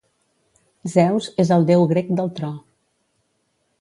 Zeus és el déu grec del tro.